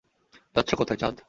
যাচ্ছ কোথায় চাঁদ?